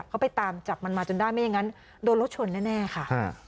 เขาไปตามจับมันมาจนได้ไม่อย่างนั้นโดนรถชนแน่ค่ะ